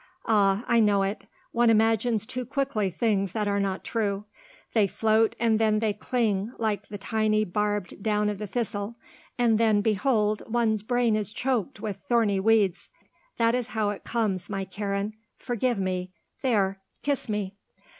Ah, I know it; one imagines too quickly things that are not true. They float and then they cling, like the tiny barbed down of the thistle, and then, behold, one's brain is choked with thorny weeds. That is how it comes, my Karen. Forgive me. There; kiss me."